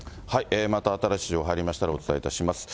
また新しい情報入りましたらお伝えいたします。